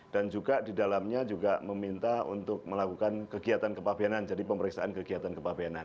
dan juga didalamnya juga meminta untuk melakukan kegiatan kepabianan jadi pemeriksaan kegiatan kepabianan